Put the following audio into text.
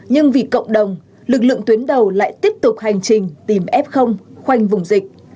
nhưng vì cộng đồng lực lượng tuyến đầu lại tiếp tục hành trình tìm f khoanh vùng dịch